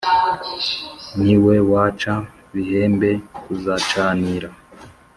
Ni we waca Bihembe kuzacanira.